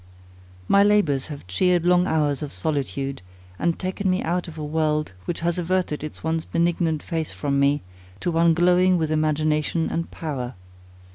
My labours have cheered long hours of solitude, and taken me out of a world, which has averted its once benignant face from me, to one glowing with imagination and power.